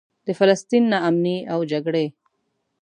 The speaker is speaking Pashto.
د فلسطین نا امني او جګړې.